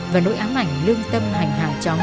và nỗi ám ảnh lương tâm hành hạ cháu